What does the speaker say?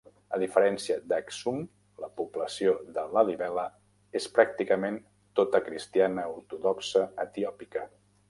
A diferència d'Aksum, la població de Lalibela és pràcticament tota cristiana ortodoxa etiòpica.